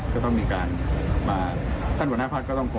ก็ต้องมีการแท่นหัวหน้าภาคก็ต้องผม